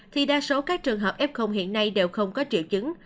thì đa số các trường hợp f hiện nay đều không có triệu chứng